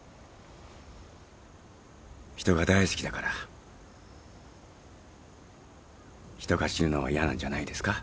人が大好きだから人が死ぬのは嫌なんじゃないですか？